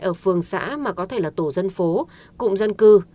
ở phường xã mà có thể là tổ dân phố cụm dân cư